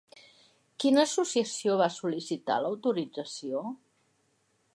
Quina associació va sol·licitar l'autorització?